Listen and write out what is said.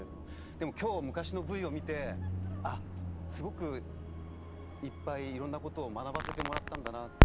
でも今日昔のＶＴＲを見てあっすごくいっぱいいろんなことを学ばせてもらったんだなって。